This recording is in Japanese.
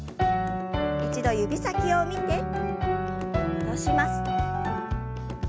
一度指先を見て戻します。